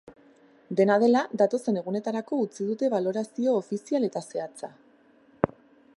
Dena dela, datozen egunetarako utzi dute balorazio ofizial eta zehatza.